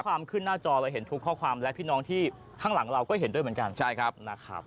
ข้อความขึ้นหน้าจอเลยเห็นทุกข้อความและพี่น้องที่ข้างหลังเราก็เห็นด้วยเหมือนกัน